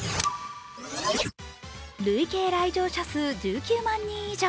累計来場者数１９万人以上。